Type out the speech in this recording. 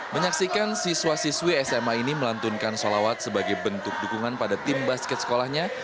menyaksikan siswa siswi sma ini melantunkan sholawat sebagai bentuk dukungan pada tim basket sekolahnya